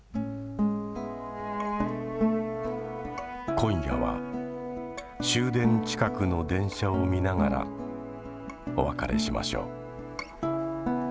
今夜は終電近くの電車を見ながらお別れしましょう。